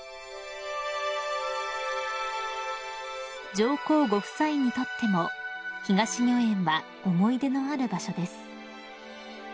［上皇ご夫妻にとっても東御苑は思い出のある場所です］